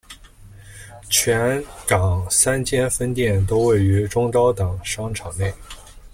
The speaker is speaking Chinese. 全港三间分店都位于中高档商场内。